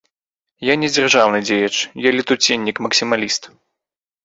Я не дзяржаўны дзеяч, я летуценнік, максімаліст.